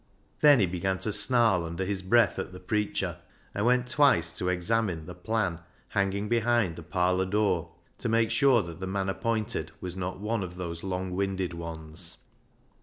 Then he began to snarl under his breath at the preacher, and went twice to examine the " plan " hanging behind the parlour door to make sure that the man appointed was not one of those longwinded ones.